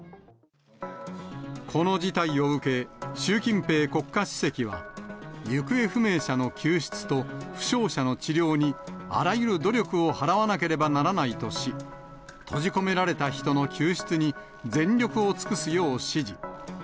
この事態を受け、習近平国家主席は、行方不明者の救出と負傷者の治療に、あらゆる努力を払わなければならないとし、閉じ込められた人の救出に全力を尽くすよう指示。